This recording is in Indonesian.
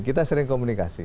kita sering komunikasi